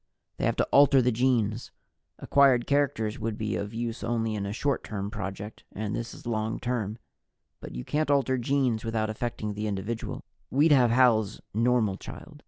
They have to alter the genes acquired characters would be of use only in a short term project, and this is long term. But you can't alter genes without affecting the individual. We'd have Hal's normal child.